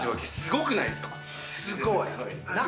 すごい。